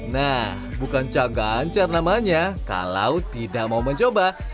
nah bukan cakgancar namanya kalau tidak mau mencoba